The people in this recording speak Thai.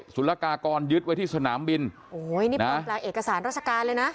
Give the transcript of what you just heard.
สุรกากรยึดไว้ที่สนามบินโอ้ยนี่ปลอมแปลงเอกสารราชการเลยนะ